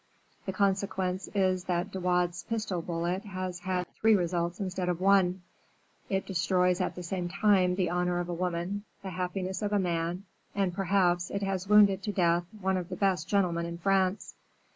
The consequence is that De Wardes's pistol bullet has had three results instead of one; it destroys at the same time the honor of a woman, the happiness of a man, and, perhaps, it has wounded to death one of the best gentlemen in France.